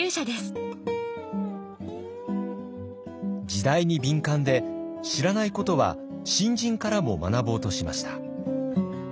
時代に敏感で知らないことは新人からも学ぼうとしました。